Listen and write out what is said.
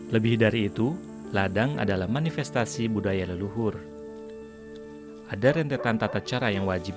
lebih dari itu ladang adalah manifestasi budaya leluhur ada rentetan tata cara yang wajib